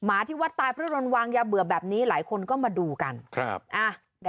ได้เลขอะไรตามนั้นคุณผู้ชมคะ